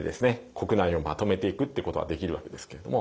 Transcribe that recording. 国内をまとめていくってことはできるわけですけれども。